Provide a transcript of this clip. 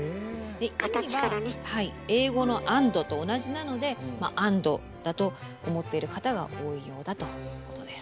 で意味は英語の「ａｎｄ」と同じなので「アンド」だと思ってる方が多いようだということです。